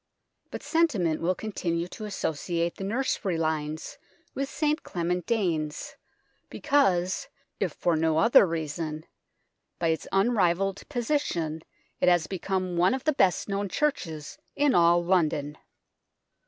But sentiment will continue to associate the nursery lines with St Clement Danes, because if for no other reason by its unrivalled position it has become 236 UNKNOWN LONDON one of the best known churches in all London.